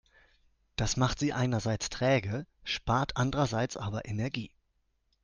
Das macht sie einerseits träge, spart andererseits aber Energie.